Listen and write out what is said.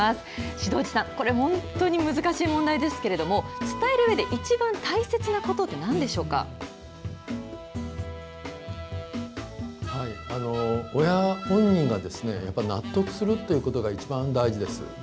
志堂寺さん、これ本当に難しい問題ですけれども伝えるうえで一番大切なことって親本人がですね納得するということが一番大事です。